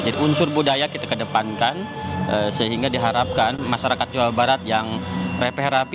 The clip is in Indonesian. jadi unsur budaya kita kedepankan sehingga diharapkan masyarakat jawa barat yang repih rapi